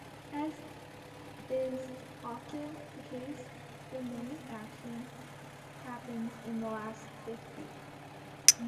As is often the case, the main action happens in the last fifty.